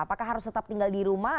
apakah harus tetap tinggal di rumah